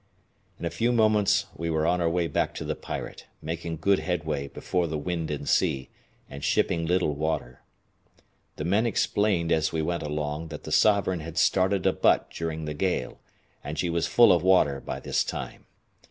In a few moments we were on our way back to the Pirate, making good headway before the wind and sea, and shipping little water. The men explained as we went along that the Sovereign had started a butt during the gale, and she was full of water by this time.